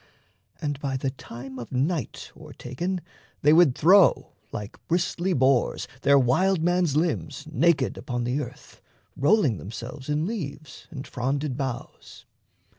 And by the time of night O'ertaken, they would throw, like bristly boars, Their wildman's limbs naked upon the earth, Rolling themselves in leaves and fronded boughs.